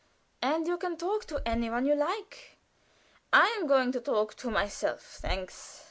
"And you can talk to any one you like." "I am going to talk to myself, thanks.